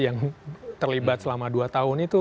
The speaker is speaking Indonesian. yang terlibat selama dua tahun itu